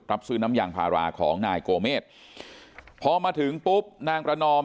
รับซื้อน้ำยางพาราของนายโกเมษพอมาถึงปุ๊บนางประนอม